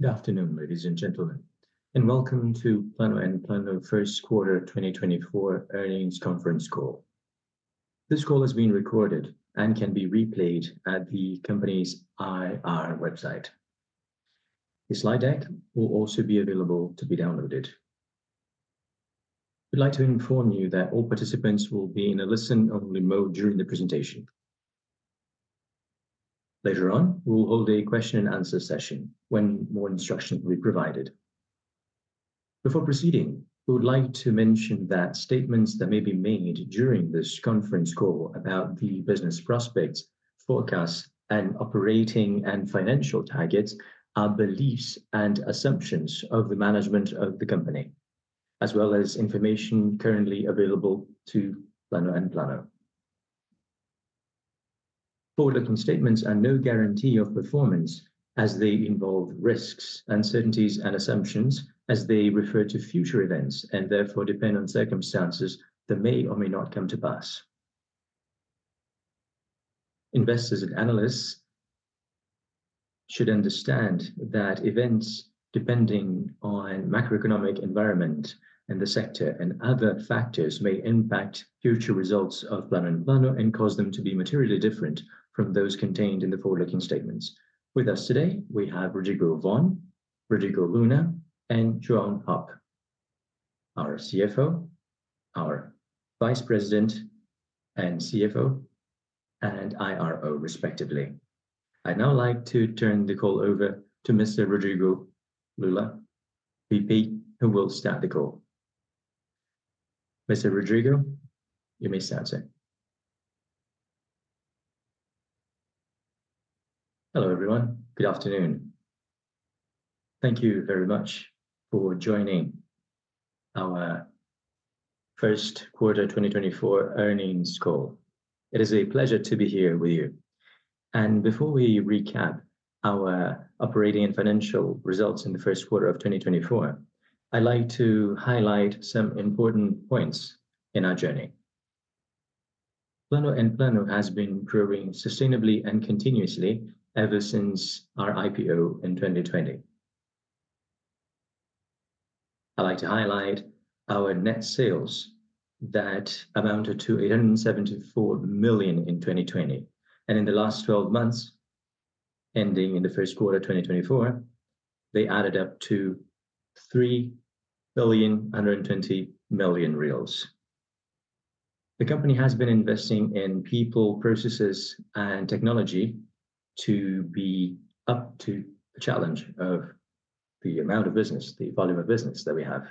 Good afternoon, ladies and gentlemen, and welcome to Plano & Plano Q1 2024 Earnings Conference Call. This call is being recorded and can be replayed at the company's IR website. The slide deck will also be available to be downloaded. We'd like to inform you that all participants will be in a listen-only mode during the presentation. Later on, we'll hold a question and answer session when more instruction will be provided. Before proceeding, we would like to mention that statements that may be made during this conference call about the business prospects, forecasts, and operating and financial targets are beliefs and assumptions of the management of the company, as well as information currently available to Plano & Plano. Forward-looking statements are no guarantee of performance as they involve risks, uncertainties and assumptions as they refer to future events and therefore depend on circumstances that may or may not come to pass. Investors and analysts should understand that events, depending on macroeconomic environment and the sector and other factors may impact future results of Plano & Plano and cause them to be materially different from those contained in the forward-looking statements. With us today, we have Rodrigo Luna, Rodrigo Luna, and João Hopp, our CFO, our Vice President and CFO, and IRO respectively. I'd now like to turn the call over to Mr. Rodrigo Luna, VP, who will start the call. Mr. Rodrigo, you may start sir. Hello, everyone. Good afternoon. Thank you very much for joining our Q1 2024 Earnings Call. It is a pleasure to be here with you. Before we recap our operating and financial results in the Q1 of 2024, I'd like to highlight some important points in our journey. Plano & Plano has been growing sustainably and continuously ever since our IPO in 2020. I'd like to highlight our net sales that amounted to 874 million in 2020, and in the last 12 months, ending in the Q1 2024, they added up to 3.12 billion. The company has been investing in people, processes and technology to be up to the challenge of the amount of business, the volume of business that we have.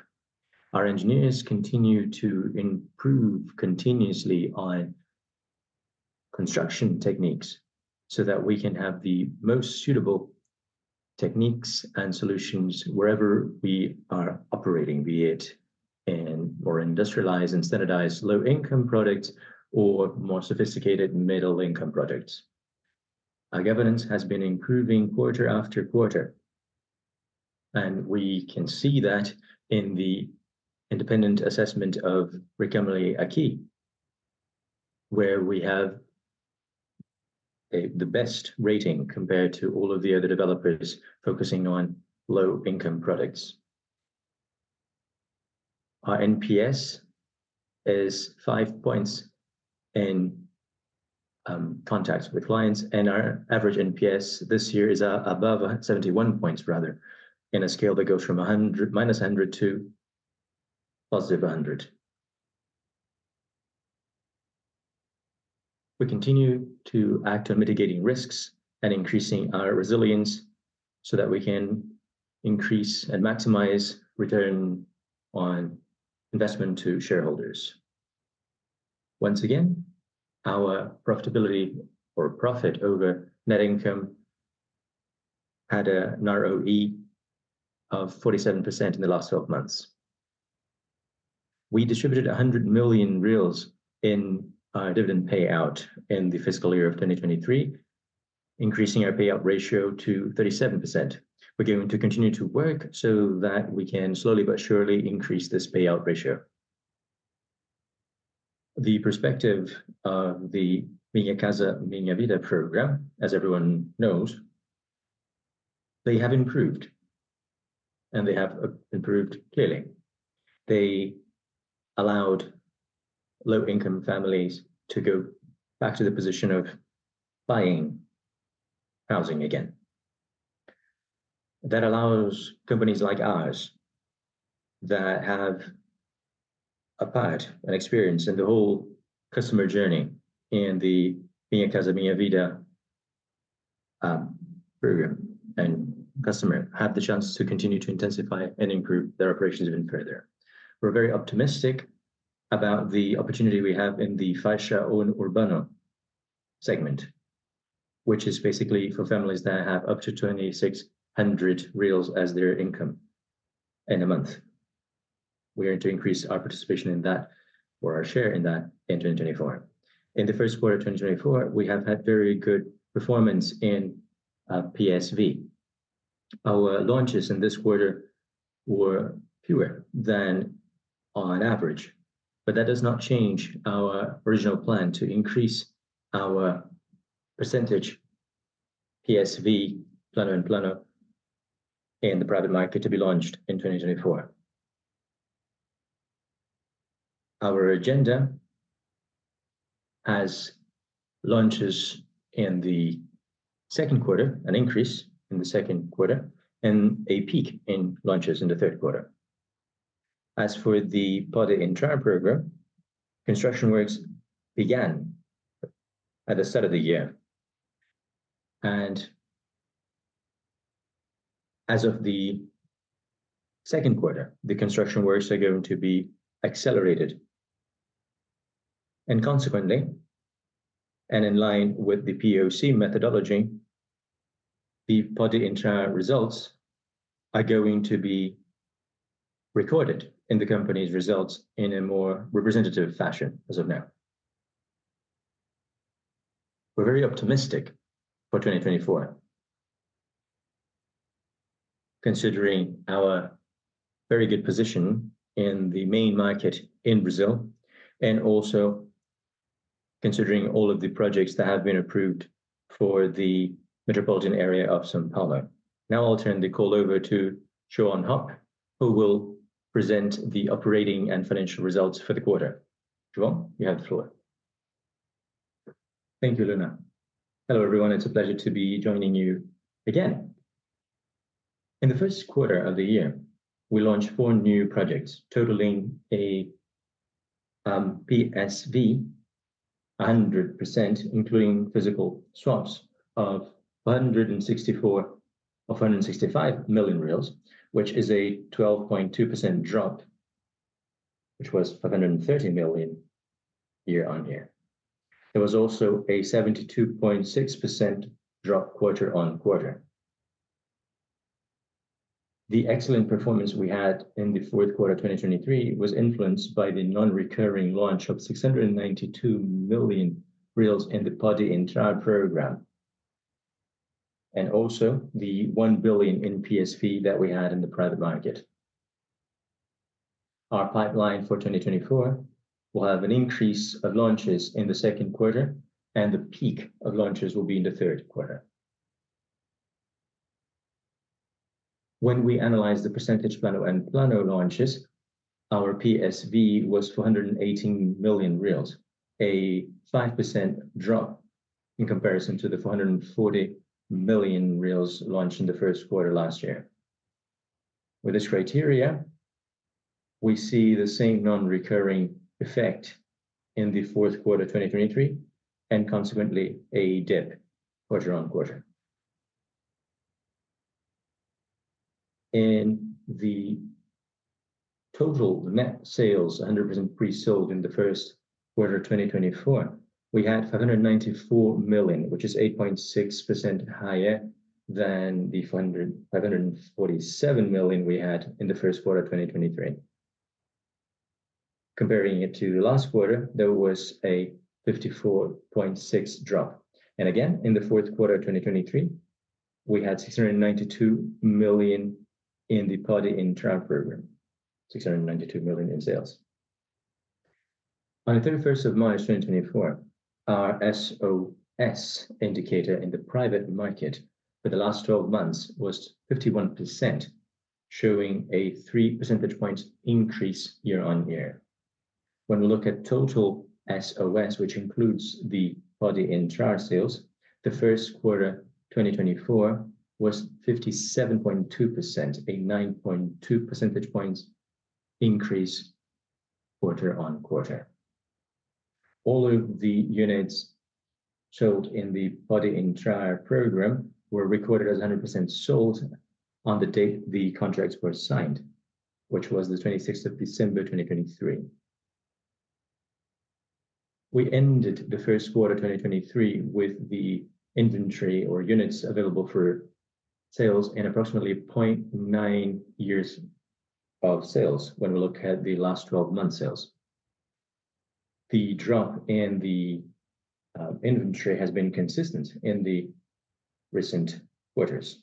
Our engineers continue to improve continuously on construction techniques so that we can have the most suitable techniques and solutions wherever we are operating, be it in more industrialized and standardized low-income products or more sophisticated middle-income products. Our governance has been improving quarter after quarter, and we can see that in the independent assessment of Reclame Aqui, where we have the best rating compared to all of the other developers focusing on low-income products. Our NPS is 5 points in contacts with clients, and our average NPS this year is above 71 points rather, in a scale that goes from -100 to +100. We continue to act on mitigating risks and increasing our resilience so that we can increase and maximize return on investment to shareholders. Once again, our profitability or profit over net income had a margin of 47% in the last 12 months. We distributed 100 million reais in our dividend payout in the fiscal year of 2023, increasing our payout ratio to 37%. We're going to continue to work so that we can slowly but surely increase this payout ratio. The perspective of the Minha Casa, Minha Vida program, as everyone knows, they have improved, and they have improved clearly. They allowed low-income families to go back to the position of buying housing again. That allows companies like ours that have a part and experience in the whole customer journey in the Minha Casa, Minha Vida program and customer have the chance to continue to intensify and improve their operations even further. We're very optimistic about the opportunity we have in the Faixa 1 Urbano segment, which is basically for families that have up to 2,600 reais as their income in a month. We aim to increase our participation in that or our share in that in 2024. In the Q1 of 2024, we have had very good performance in PSV. Our launches in this quarter were fewer than on average, but that does not change our original plan to increase our percentage PSV, Plano & Plano in the private market to be launched in 2024. Our agenda has launches in the Q2, an increase in the Q2, and a peak in launches in the Q3. As for the Pode Entrar program, construction works began at the start of the year. As of the Q2, the construction works are going to be accelerated. Consequently, in line with the POC methodology, the Pode Entrar results are going to be recorded in the company's results in a more representative fashion as of now. We're very optimistic for 2024 considering our very good position in the main market in Brazil and also considering all of the projects that have been approved for the metropolitan area of São Paulo. Now I'll turn the call over to João Hopp, who will present the operating and financial results for the quarter. João, you have the floor. Thank you, Luna. Hello, everyone. It's a pleasure to be joining you again. In the Q1 of the year, we launched four new projects totaling a PSV 100%, including physical swaps of 165 million, which is a 12.2% drop, which was 530 million year-on-year. There was also a 72.6% drop quarter-on-quarter. The excellent performance we had in the Q4 2023 was influenced by the non-recurring launch of 692 million in the Pode Entrar program, and also the 1 billion in PSV that we had in the private market. Our pipeline for 2024 will have an increase of launches in the Q2, and the peak of launches will be in the Q3. When we analyze the PSV Plano & Plano launches, our PSV was 418 million reais, a 5% drop in comparison to the 440 million reais launched in the Q1 last year. With this criteria, we see the same non-recurring effect in the Q4 2023, and consequently a dip quarter-over-quarter. In the total net sales 100% pre-sold in the Q1 2024, we had 594 million, which is 8.6% higher than the 547 million we had in the Q1 2023. Comparing it to last quarter, there was a 54.6% drop. Again, in the Q1 2023, we had 692 million in the social program, 692 million in sales. On the 31st March 2024, our SOS indicator in the private market for the last 12 months was 51%, showing a 3 percentage point increase year-on-year. When we look at total SOS, which includes the social program sales, the Q1 2024 was 57.2%, a 9.2 percentage points increase quarter-on-quarter. All of the units sold in the Pode Entrar trial program were recorded as 100% sold on the date the contracts were signed, which was the 26th December 2023. We ended the Q1 2023 with the inventory of units available for sales in approximately 0.9 years of sales when we look at the last 12 months sales. The drop in the inventory has been consistent in the recent quarters.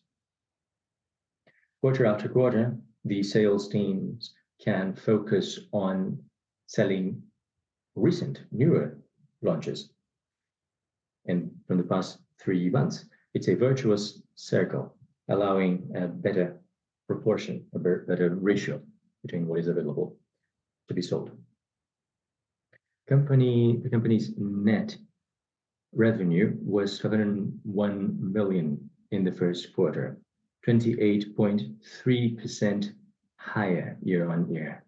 Quarter after quarter, the sales teams can focus on selling recent newer launches and from the past three months. It's a virtuous circle allowing a better proportion, a better ratio between what is available to be sold. The company's net revenue was 201 million in the Q1, 28.3% higher year-on-year.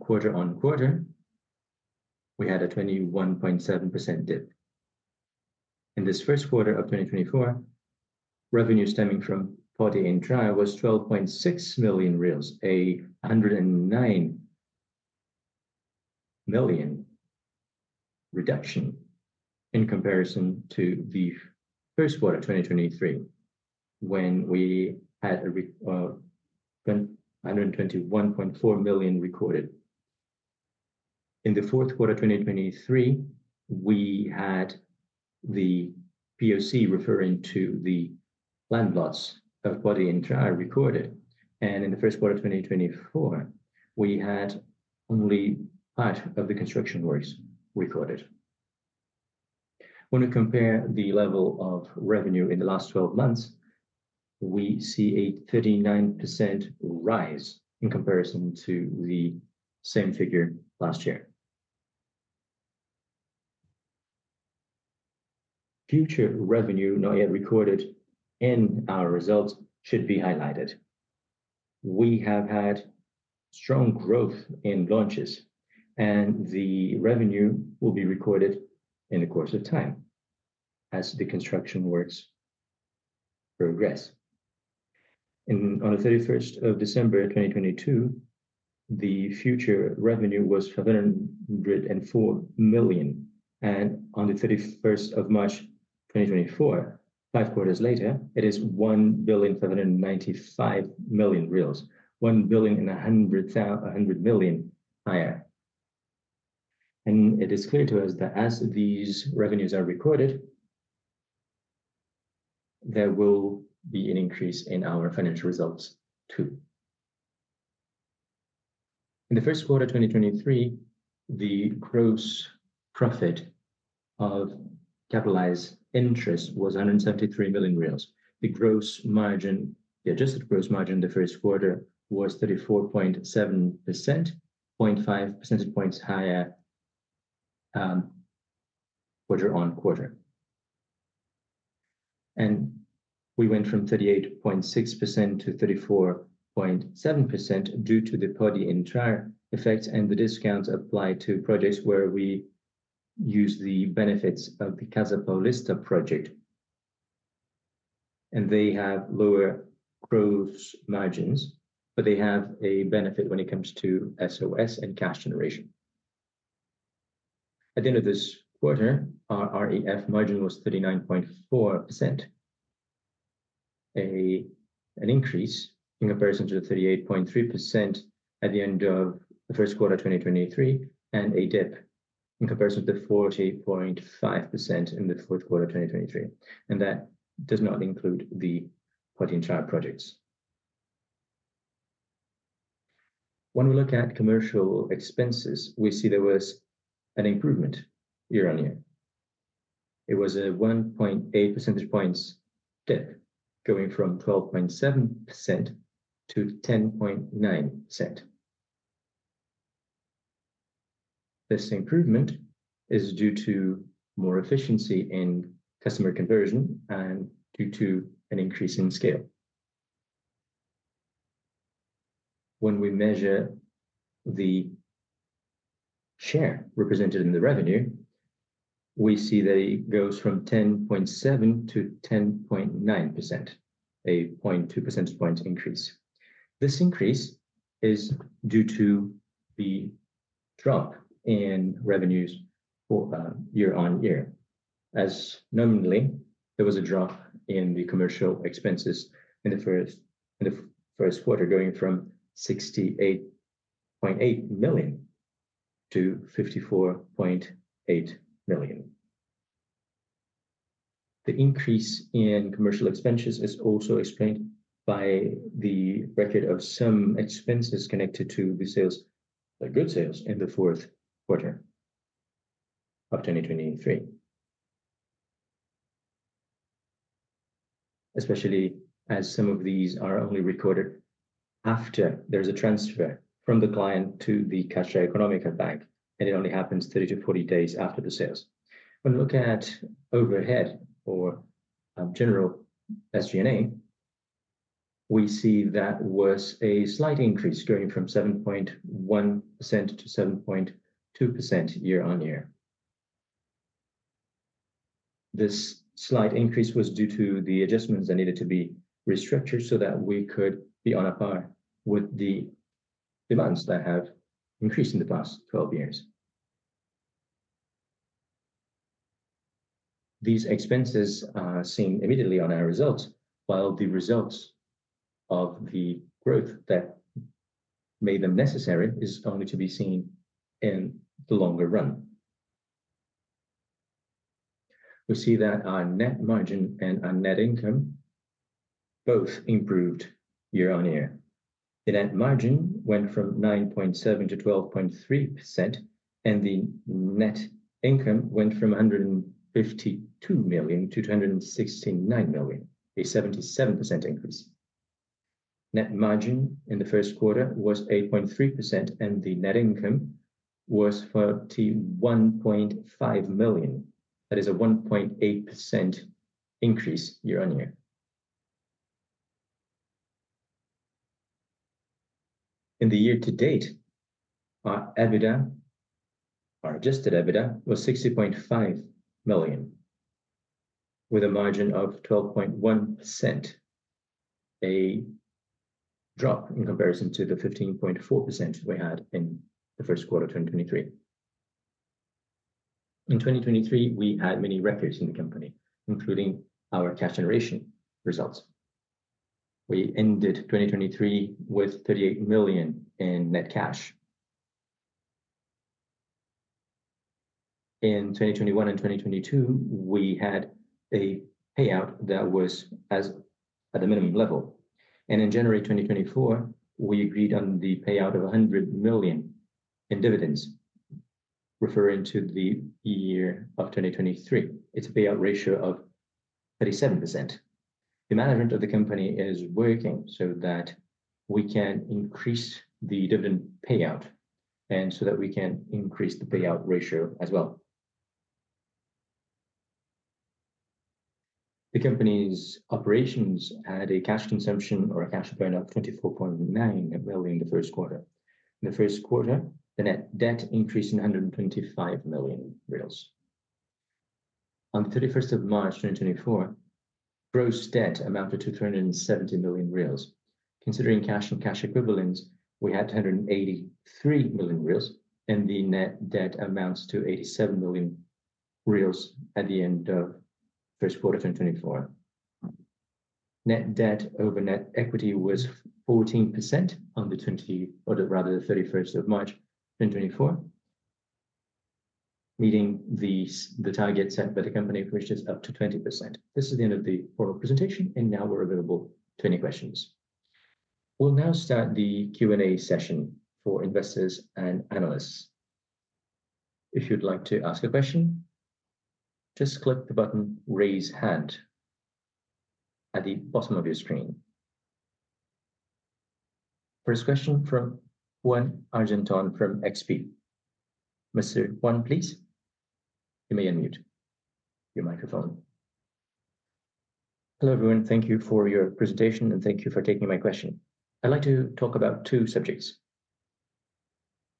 Quarter-on-quarter, we had a 21.7% dip. In this Q1 of 2024, revenue stemming from Pode Entrar was 12.6 million reais, a 109 million reduction in comparison to the Q1 2023 when we had a 121.4 million recorded. In the Q4 2023, we had the POC referring to the land lots of Pode Entrar recorded. In the Q4 2024, we had only part of the construction works recorded. When we compare the level of revenue in the last 12 months, we see a 39% rise in comparison to the same figure last year. Future revenue not yet recorded in our results should be highlighted. We have had strong growth in launches, and the revenue will be recorded in the course of time as the construction works progress. On the 31st December 2022, the future revenue was 504 million, and on the 31st March 2024, five quarters later, it is 1,795 million, 100 million higher. It is clear to us that as these revenues are recorded, there will be an increase in our financial results too. In the Q1 2023, the gross profit of capitalized interest was 173 million reais. The adjusted gross margin in the Q1 was 34.7%, 0.5 percentage points higher quarter-over-quarter. We went from 38.6% to 34.7% due to the budgetary effects and the discounts applied to projects where we use the benefits of the Casa Paulista project. They have lower gross margins, but they have a benefit when it comes to SOS and cash generation. At the end of this quarter, our REF margin was 39.4%. An increase in comparison to the 38.3% at the end of the Q1 2023, and a dip in comparison to the 40.5% in the Q4 2023. That does not include the Pode Entrar projects. When we look at commercial expenses, we see there was an improvement year-on-year. It was a 1.8 percentage points dip, going from 12.7% to 10.9%. This improvement is due to more efficiency in customer conversion and due to an increase in scale. When we measure the share represented in the revenue, we see that it goes from 10.7% to 10.9%, a 0.2 percentage points increase. This increase is due to the drop in revenues year-on-year, as nominally there was a drop in the commercial expenses in the Q1, going from BRL 68.8 to 54.8 million. The increase in commercial expenses is also explained by the record of some expenses connected to the sales, the good sales in the Q4 of 2023. Especially as some of these are only recorded after there's a transfer from the client to the Caixa Econômica Federal, and it only happens 30-40 days after the sales. When we look at overhead or general SG&A, we see that was a slight increase going from 7.1% to 7.2% year-on-year. This slight increase was due to the adjustments that needed to be restructured so that we could be on a par with the demands that have increased in the past 12 years. These expenses are seen immediately on our results, while the results of the growth that made them necessary is only to be seen in the longer run. We see that our net margin and our net income both improved year-on-year. The net margin went from 9.7% to 12.3%, and the net income went from 152 to 269 million, a 77% increase. Net margin in the Q1 was 8.3%, and the net income was 41.5 million. That is a 1.8% increase year-on-year. In the year-to-date, our EBITDA, our adjusted EBITDA was 60.5 million with a margin of 12.1%, a drop in comparison to the 15.4% we had in the Q1 2023. In 2023, we had many records in the company, including our cash generation results. We ended 2023 with 38 million in net cash. In 2021 and 2022, we had a payout that was as at a minimum level. In January 2024, we agreed on the payout of 100 million in dividends referring to the year of 2023. It's a payout ratio of 37%. The management of the company is working so that we can increase the dividend payout and so that we can increase the payout ratio as well. The company's operations had a cash consumption or a cash burn of 24.9 million in the Q1. In the Q1, the net debt increased in 125 million reais. On the 31st March 2024, gross debt amounted to 270 million reais. Considering cash and cash equivalents, we had 283 million reais, and the net debt amounts to 87 million reais at the end of Q1 2024. Net debt over net equity was 14% on the 31st March 2024, meeting the target set by the company, which is up to 20%. This is the end of the oral presentation, and now we're available to any questions. We'll now start the Q&A session for investors and analysts. If you'd like to ask a question, just click the button, Raise Hand at the bottom of your screen. First question from Ruan Argenton from XP. Mr. Ruan, please, you may unmute your microphone. Hello, everyone. Thank you for your presentation, and thank you for taking my question. I'd like to talk about two subjects.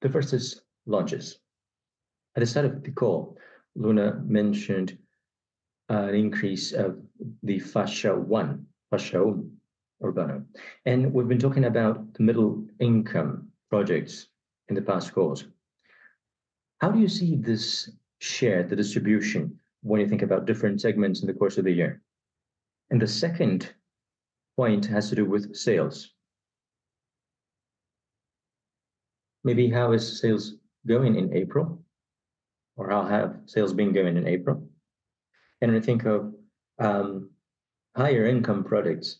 The first is launches. At the start of the call, Luna mentioned an increase of the Faixa 1, Faixa 1 Urbano. We've been talking about the middle income projects in the past calls. How do you see this share, the distribution when you think about different segments in the course of the year? The second point has to do with sales. Maybe how is sales going in April, or how have sales been going in April? When I think of higher income products,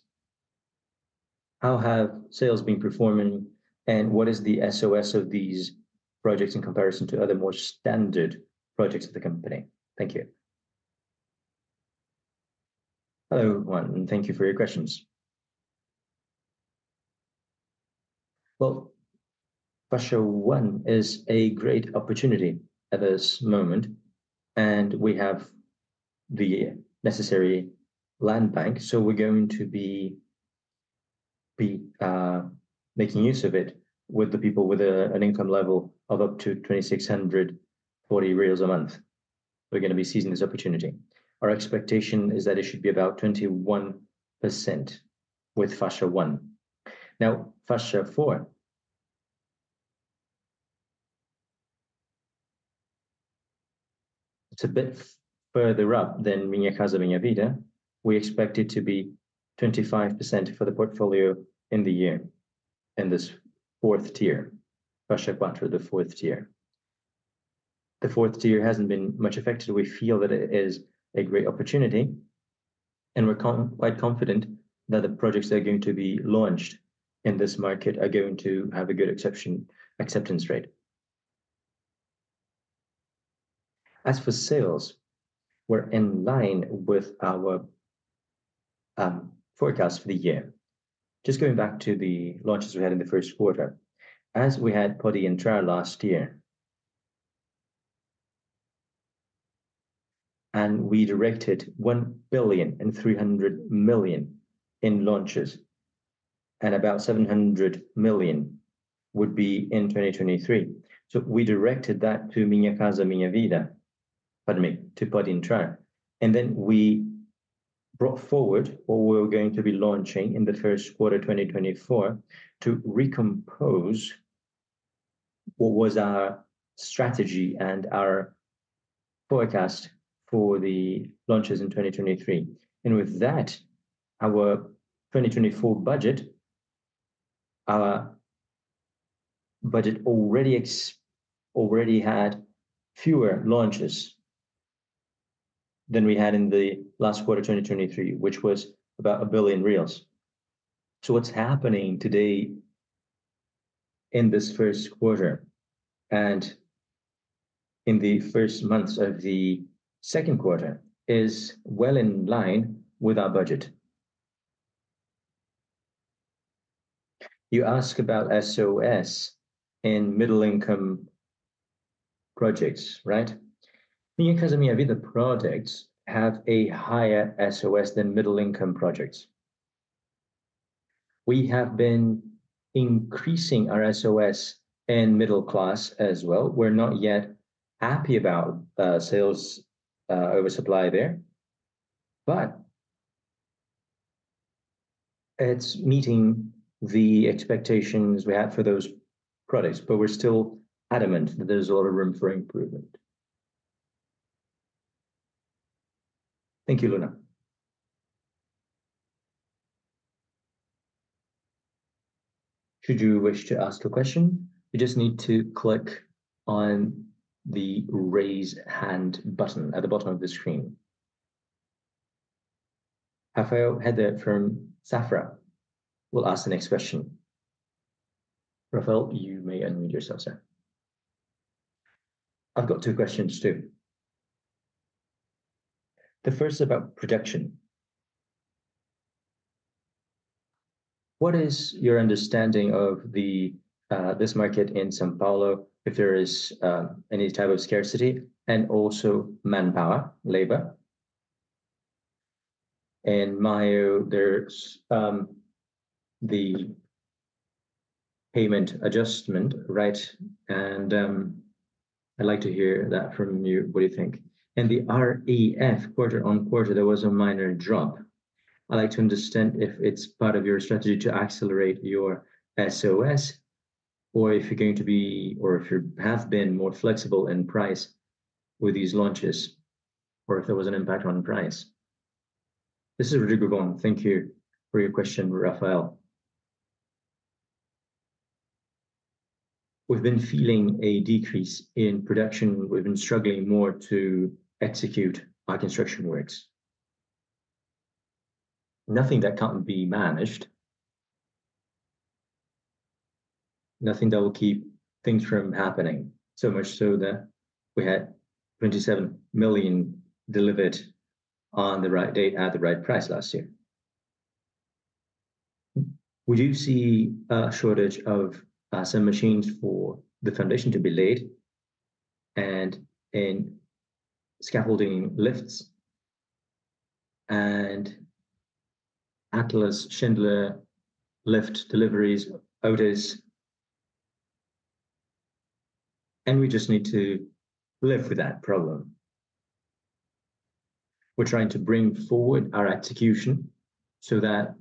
how have sales been performing, and what is the SOS of these projects in comparison to other more standard projects of the company? Thank you. Hello, Ruan, and thank you for your questions. Well, Faixa 1 is a great opportunity at this moment, and we have the necessary land bank, so we're going to be making use of it with the people with an income level of up to 2,640 reais a month. We're gonna be seizing this opportunity. Our expectation is that it should be about 21% with Faixa 1. Now, Faixa 4 it's a bit further up than Minha Casa, Minha Vida. We expect it to be 25% for the portfolio in the year in this fourth tier. Faixa 4, the fourth tier. The fourth tier hasn't been much affected. We feel that it is a great opportunity, and we're quite confident that the projects that are going to be launched in this market are going to have a good acceptance rate. As for sales, we're in line with our forecast for the year. Just going back to the launches we had in the Q1. As we had Pode Entrar last year, and we launched 1.3 billion in launches, and about 700 million would be in 2023. We directed that to Pode Entrar. We brought forward what we were going to be launching in the Q1 2024 to recompose what was our strategy and our forecast for the launches in 2023. With that, our 2024 budget already had fewer launches than we had in the last quarter 2023, which was about 1 billion reais. What's happening today in this Q1 and in the first months of the Q2 is well in line with our budget. You ask about SOS in middle-income projects, right? Minha Casa, Minha Vida projects have a higher SOS than middle-income projects. We have been increasing our SOS in middle class as well. We're not yet happy about sales over supply there, but it's meeting the expectations we had for those products, but we're still adamant that there's a lot of room for improvement. Thank you, Luna. Should you wish to ask a question, you just need to click on the Raise Hand button at the bottom of the screen. Rafael Rehder from Safra will ask the next question. Rafael, you may unmute yourself, sir. I've got two questions, too. The first about production. What is your understanding of this market in São Paulo if there is any type of scarcity and also manpower, labor? May, there's the payment adjustment, right? I'd like to hear that from you. What do you think? In the REF quarter-on-quarter, there was a minor drop. I'd like to understand if it's part of your strategy to accelerate your SOS or if you're going to be, or if you have been more flexible in price with these launches, or if there was an impact on price. This is Rodrigo Luna. Thank you for your question, Rafael. We've been feeling a decrease in production. We've been struggling more to execute our construction works. Nothing that can't be managed. Nothing that will keep things from happening, so much so that we had 27 million delivered on the right date at the right price last year. We do see a shortage of some machines for the foundation to be laid and in scaffolding lifts and Atlas Schindler lift deliveries, Otis. We just need to live with that problem. We're trying to bring forward our execution so that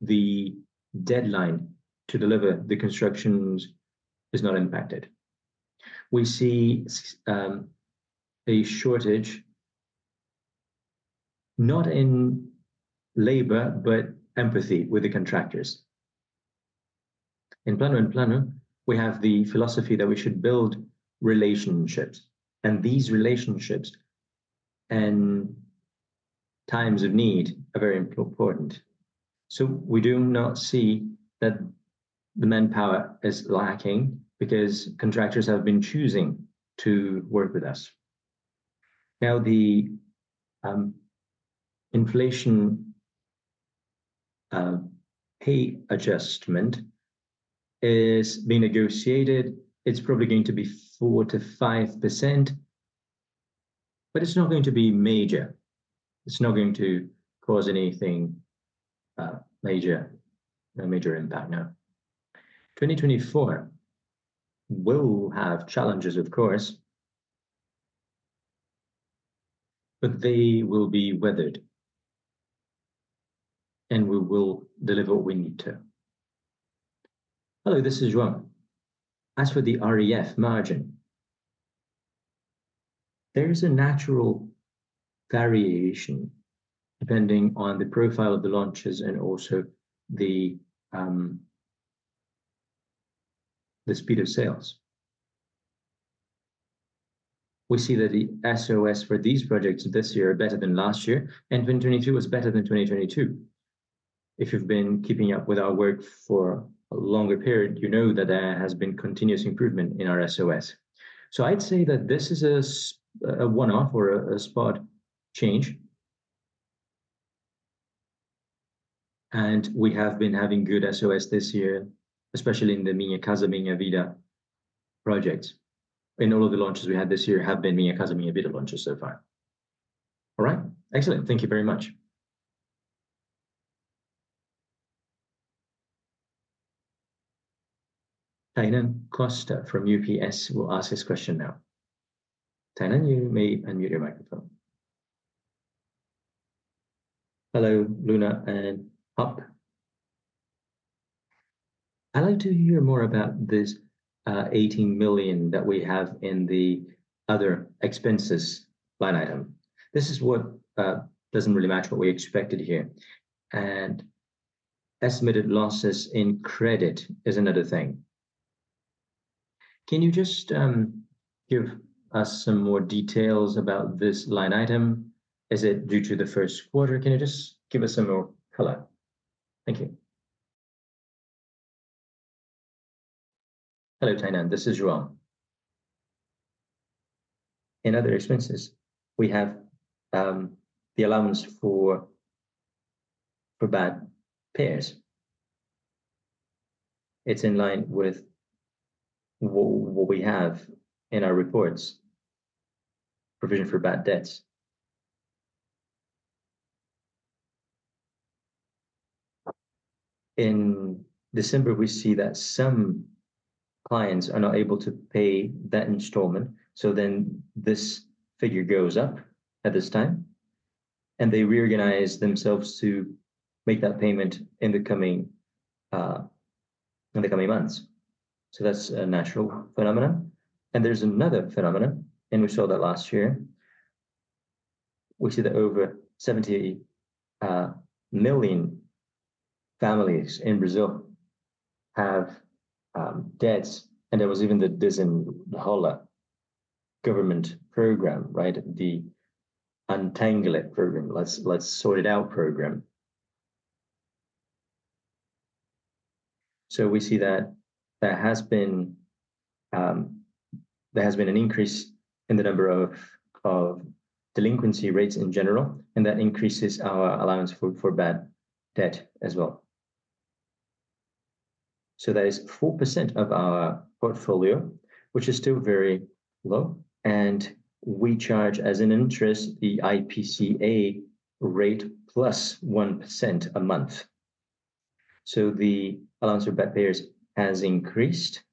the deadline to deliver the constructions is not impacted. We see a shortage not in labor, but empathy with the contractors. In Plano & Plano, we have the philosophy that we should build relationships, and these relationships in times of need are very important. We do not see that the manpower is lacking because contractors have been choosing to work with us. Now, the inflation pay adjustment is being negotiated. It's probably going to be 4% to 5%, but it's not going to be major. It's not going to cause a major impact, no. 2024 will have challenges, of course. They will be weathered and we will deliver what we need to. Hello, this is João. As for the REF margin, there is a natural variation depending on the profile of the launches and also the speed of sales. We see that the SOS for these projects this year are better than last year, and 2022 was better than 2022. If you've been keeping up with our work for a longer period, you know that there has been continuous improvement in our SOS. I'd say that this is a one-off or a spot change. We have been having good SOS this year, especially in the Minha Casa, Minha Vida projects, and all of the launches we had this year have been Minha Casa, Minha Vida launches so far. All right. Excellent. Thank you very much. Tainan Costa from UBS will ask his question now. Tainan, you may unmute your microphone. Hello, Luna and Hopp. I'd like to hear more about this 18 million that we have in the other expenses line item. This is what doesn't really match what we expected here. Estimated losses in credit is another thing. Can you just give us some more details about this line item? Is it due to the Q1? Can you just give us some more color? Thank you. Hello, Tainan. This is João. In other expenses, we have the allowance for bad payers. It's in line with what we have in our reports, provision for bad debts. In December, we see that some clients are not able to pay that installment, so then this figure goes up at this time, and they reorganize themselves to make that payment in the coming months. That's a natural phenomena. There's another phenomena, and we saw that last year. We see that over 70 million families in Brazil have debts, and there was even the Desenrola government program, right? The Untangle It program. Let's Sort It Out program. We see that there has been an increase in the number of delinquency rates in general, and that increases our allowance for bad debt as well. That is 4% of our portfolio, which is still very low, and we charge as an interest the IPCA rate +1% a month. The allowance for bad payers has increased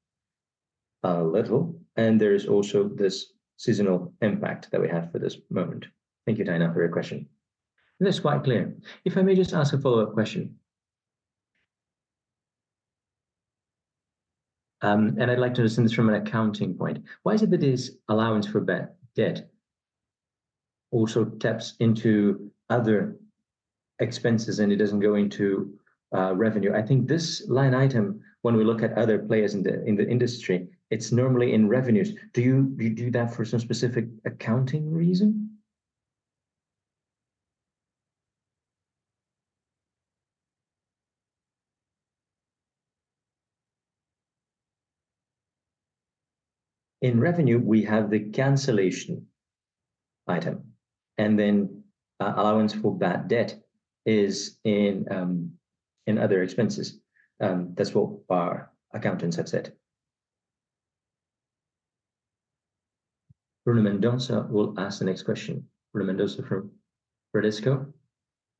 a little, and there is also this seasonal impact that we have for this moment. Thank you, Tainan, for your question. That's quite clear. If I may just ask a follow-up question. I'd like to understand this from an accounting point. Why is it that this allowance for bad debt also taps into other expenses, and it doesn't go into revenue? I think this line item, when we look at other players in the industry, it's normally in revenues. Do you do that for some specific accounting reason? In revenue, we have the cancellation item, and then our allowance for bad debt is in other expenses. That's what our accountants have said. Bruno Mendonça will ask the next question. Bruno Mendonça from Bradesco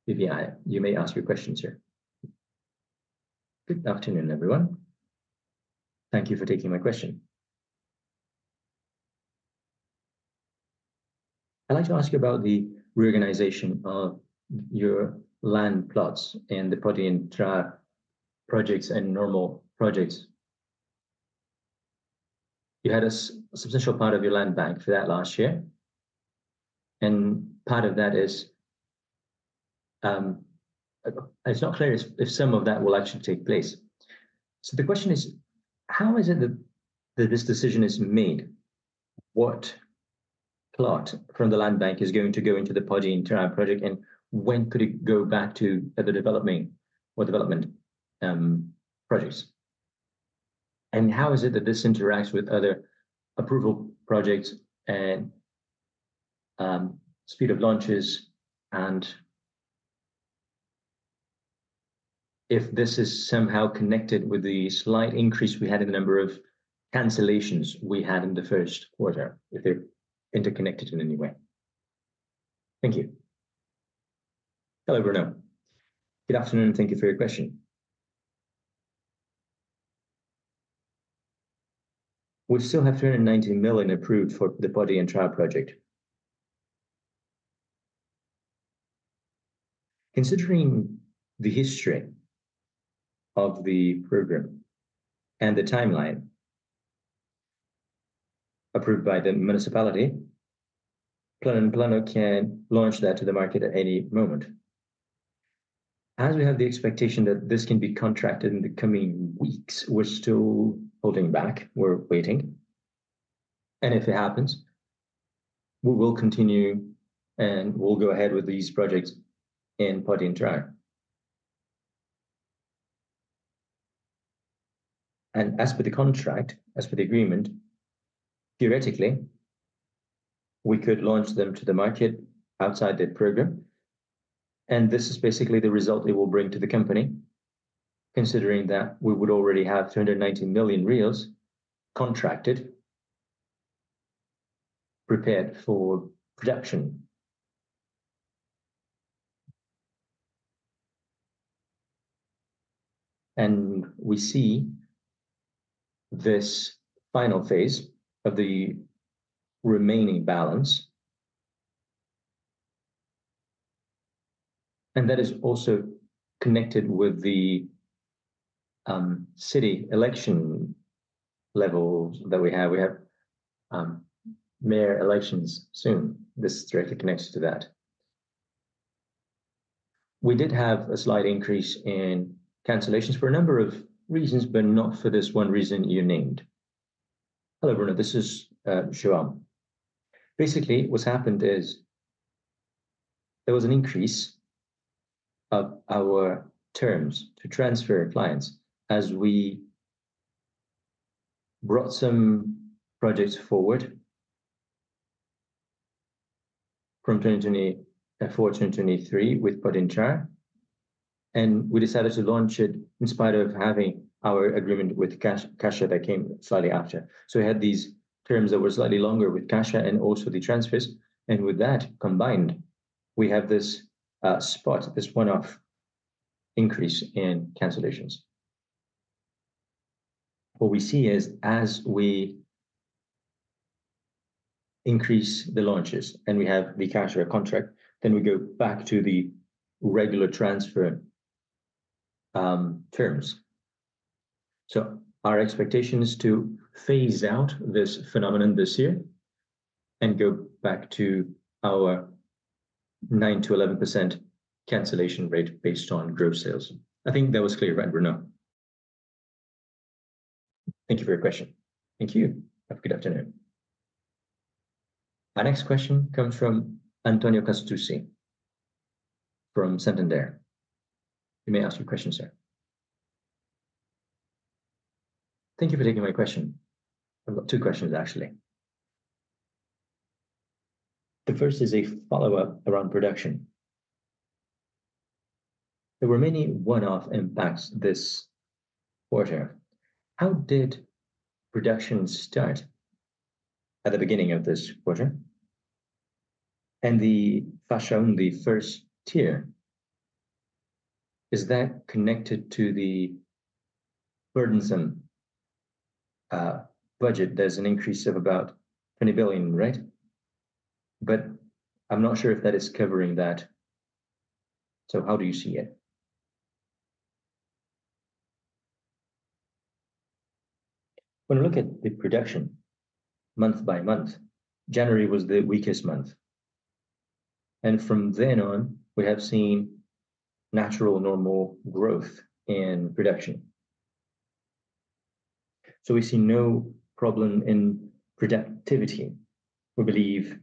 BBI. You may ask your questions, sir. Good afternoon, everyone. Thank you for taking my question. I'd like to ask you about the reorganization of your land plots in the Pode Entrar projects and normal projects. You had a substantial part of your land bank for that last year, and part of that is. It's not clear if some of that will actually take place. The question is, how is it that this decision is made? What plot from the land bank is going to go into the Pode Entrar project, and when could it go back to other development projects? And how is it that this interacts with other approval projects and speed of launches and if this is somehow connected with the slight increase we had in the number of cancellations we had in the Q1, if they're interconnected in any way? Thank you. Hello, Bruno. Good afternoon, thank you for your question. We still have 290 million approved for the Pode Entrar project. Considering the history of the program and the timeline approved by the municipality, Plano & Plano can launch that to the market at any moment. As we have the expectation that this can be contracted in the coming weeks, we're still holding back. We're waiting. If it happens, we will continue, and we'll go ahead with these projects in Pode Entrar. As for the contract, as for the agreement, theoretically, we could launch them to the market outside that program, and this is basically the result it will bring to the company, considering that we would already have 290 million contracted, prepared for production. We see this final phase of the remaining balance, and that is also connected with the city election level that we have. We have mayor elections soon. This is directly connected to that. We did have a slight increase in cancellations for a number of reasons, but not for this one reason you named. Hello, Bruno. This is João. Basically, what's happened is there was an increase of our terms to transfer clients as we brought some projects forward from 2020 for 2023 with Pode Entrar, and we decided to launch it in spite of having our agreement with CAIXA that came slightly after. We had these terms that were slightly longer with CAIXA and also the transfers, and with that combined, we have this spot, this one-off increase in cancellations. What we see is as we increase the launches and we have the CAIXA contract, then we go back to the regular transfer terms. Our expectation is to phase out this phenomenon this year and go back to our 9% to 11% cancellation rate based on gross sales. I think that was clear, right, Bruno? Thank you for your question. Thank you. Have a good afternoon. Our next question comes from Antonio Castrucci from Santander. You may ask your question, sir. Thank you for taking my question. I've got two questions, actually. The first is a follow-up around production. There were many one-off impacts this quarter. How did production start at the beginning of this quarter? The Faixa 1, is that connected to the burdensome budget? There's an increase of about 20 billion, right? But I'm not sure if that is covering that. How do you see it? When we look at the production month-by-month, January was the weakest month. From then on, we have seen natural normal growth in production. We see no problem in productivity. We believe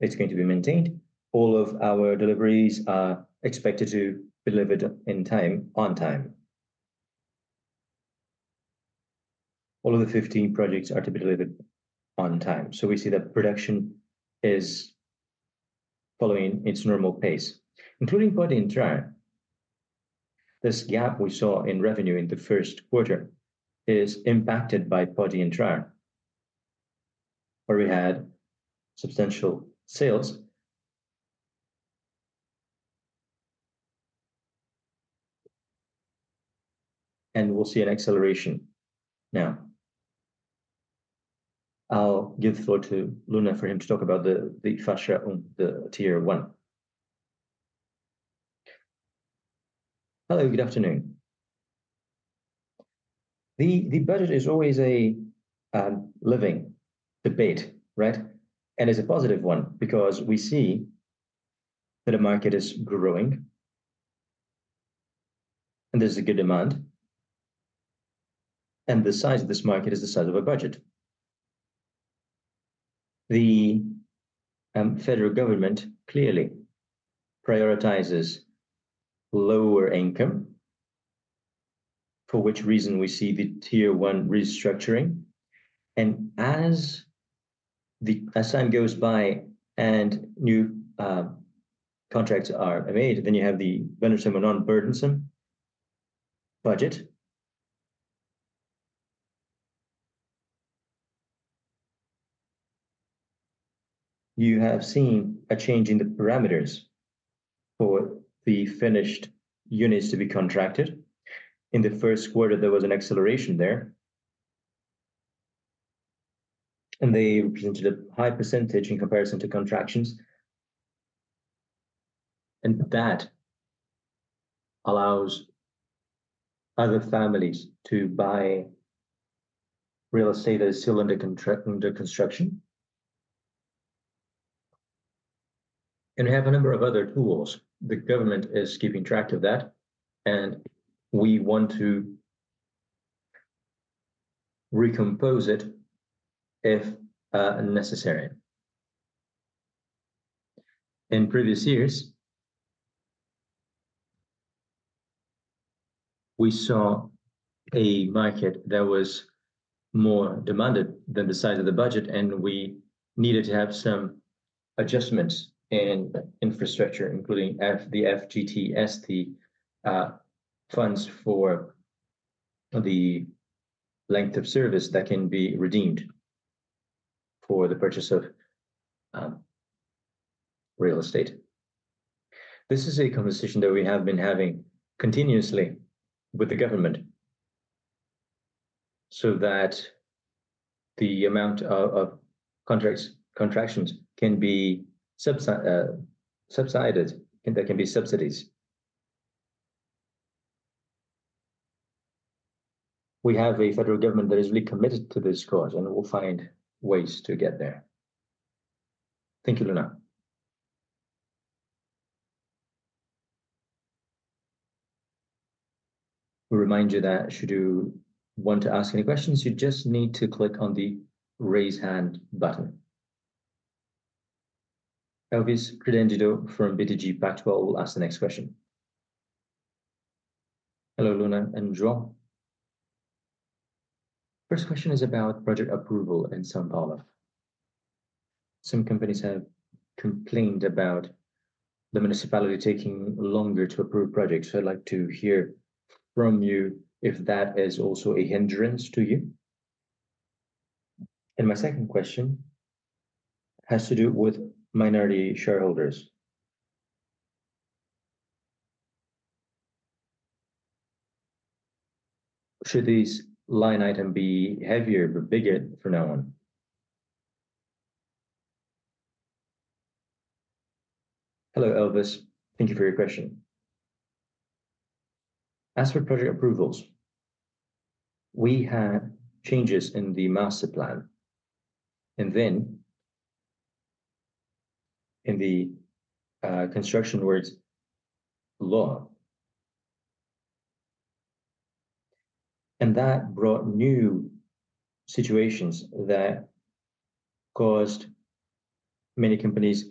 it's going to be maintained. All of our deliveries are expected to be delivered in time, on time. All of the 15 projects are to be delivered on time. We see that production is following its normal pace, including Pode Entrar. This gap we saw in revenue in the Q1 is impacted by Pode Entrar, where we had substantial sales. We'll see an acceleration now. I'll give the floor to Luna for him to talk about the Faixa 1. Hello, good afternoon. The budget is always a living debate, right? It's a positive one because we see that the market is growing and there's a good demand. The size of this market is the size of a budget. The federal government clearly prioritizes lower income, for which reason we see the Faixa 1 restructuring. As time goes by and new contracts are made, then you have the burdensome and non-burdensome budget. You have seen a change in the parameters for the finished units to be contracted. In the Q1, there was an acceleration there. They represented a high percentage in comparison to contractions. That allows other families to buy real estate that is still under construction. We have a number of other tools. The government is keeping track of that, and we want to recompose it if necessary. In previous years we saw a market that was more demanded than the size of the budget, and we needed to have some adjustments in infrastructure, including the FDS T&ST, the funds for the length of service that can be redeemed for the purchase of real estate. This is a conversation that we have been having continuously with the government so that the amount of contracts can be subsidized, and there can be subsidies. We have a federal government that is really committed to this cause, and we'll find ways to get there. Thank you, Luna. We remind you that should you want to ask any questions, you just need to click on the Raise Hand button. Elvis Credendio from BTG Pactual will ask the next question. Hello, Luna and João. First question is about project approval in São Paulo. Some companies have complained about the municipality taking longer to approve projects. I'd like to hear from you if that is also a hindrance to you. My second question has to do with minority shareholders. Should this line item be heavier but bigger from now on? Hello, Elvis. Thank you for your question. As for project approvals, we had changes in the master plan and then in the construction works law. That brought new situations that caused many companies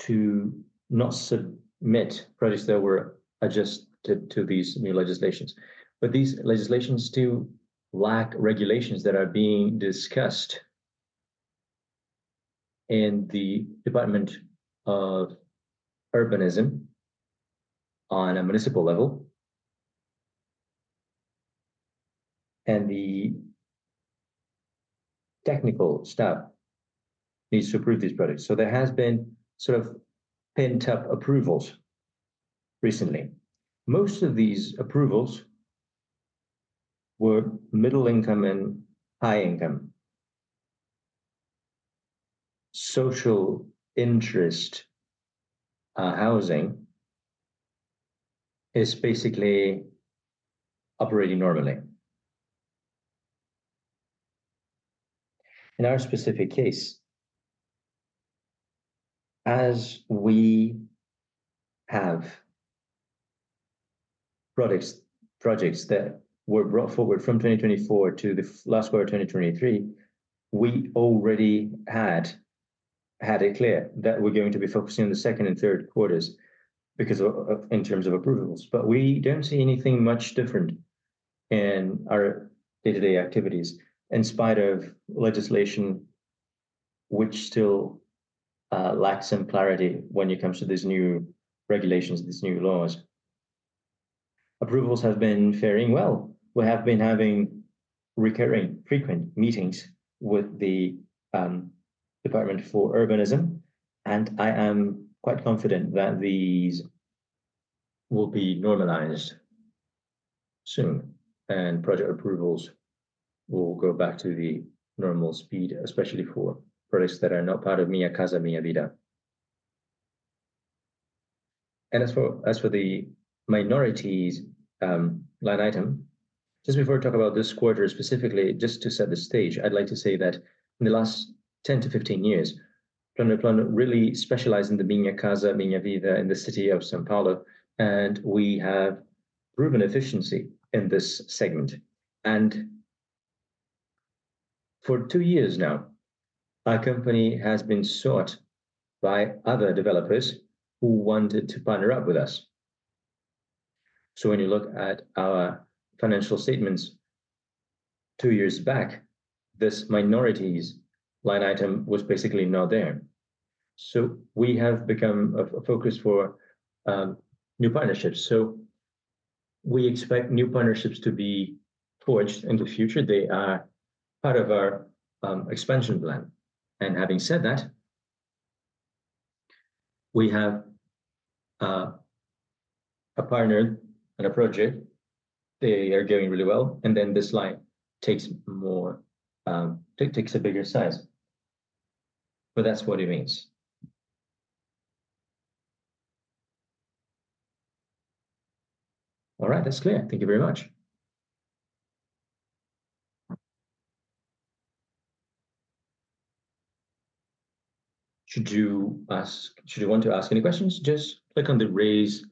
to not submit projects that were adjusted to these new legislations. These legislations still lack regulations that are being discussed in the Department of Urbanism on a municipal level. The technical staff needs to approve these projects. There has been sort of pent-up approvals recently. Most of these approvals were middle income and high income. Social interest housing is basically operating normally. In our specific case, as we have projects that were brought forward from 2024 to the last quarter 2023, we already had it clear that we're going to be focusing on the Q2 and Q3 because of in terms of approvals. We don't see anything much different in our day-to-day activities, in spite of legislation which still lacks some clarity when it comes to these new regulations, these new laws. Approvals have been faring well. We have been having recurring frequent meetings with the Department of Urbanism, and I am quite confident that these will be normalized soon and project approvals will go back to the normal speed, especially for projects that are not part of Minha Casa, Minha Vida. As for the minorities line item, just before I talk about this quarter specifically, just to set the stage, I'd like to say that in the last 10-15 years, Plano & Plano really specialized in the Minha Casa, Minha Vida in the city of São Paulo, and we have proven efficiency in this segment. For two years now, our company has been sought by other developers who wanted to partner up with us. When you look at our financial statements two years back, this minority line item was basically not there. We have become a focus for new partnerships. We expect new partnerships to be forged in the future. They are part of our expansion plan. Having said that, we have a partner and a project. They are doing really well, and then this line takes a bigger size. But that's what it means. All right, that's clear. Thank you very much. Should you want to ask any questions, just click on the Raise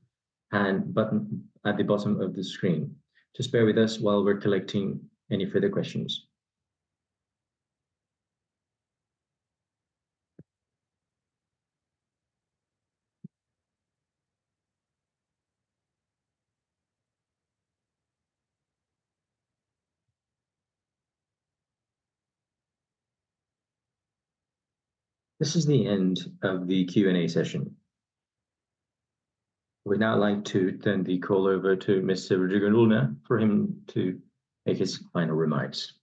Hand button at the bottom of the screen. Just bear with us while we're collecting any further questions. This is the end of the Q&A session. I would now like to turn the call over to Mr. Rodrigo Luna for him to make his final remarks.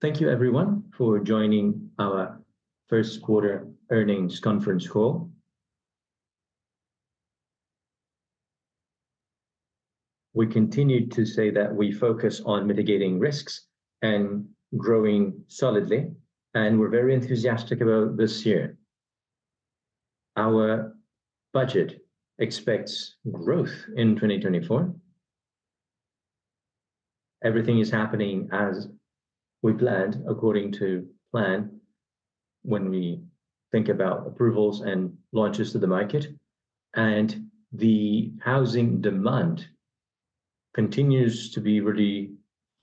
Thank you everyone for joining our Q1 Earnings Conference Call. We continue to say that we focus on mitigating risks and growing solidly, and we're very enthusiastic about this year. Our budget expects growth in 2024. Everything is happening as we planned according to plan when we think about approvals and launches to the market, and the housing demand continues to be really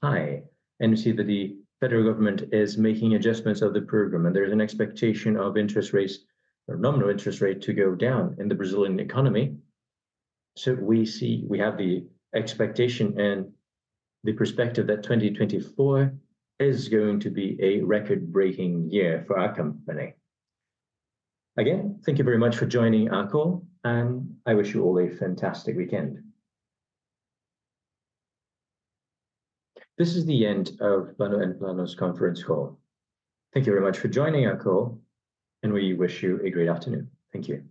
high. We see that the federal government is making adjustments of the program, and there's an expectation of interest rates or nominal interest rate to go down in the Brazilian economy. We have the expectation and the perspective that 2024 is going to be a record-breaking year for our company. Again, thank you very much for joining our call, and I wish you all a fantastic weekend. This is the end of Plano & Plano's Conference Call. Thank you very much for joining our call, and we wish you a great afternoon. Thank you.